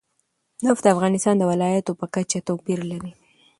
نفت د افغانستان د ولایاتو په کچه توپیر لري.